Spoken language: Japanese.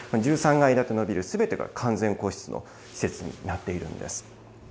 １３階建てのビルすべてが完全個室の施設になっているんです。